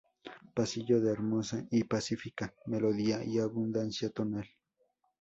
Pasillo de hermosa y pacífica melodía y abundancia tonal.